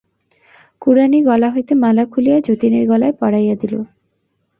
কুড়ানি গলা হইতে মালা খুলিয়া যতীনের গলায় পরাইয়া দিল।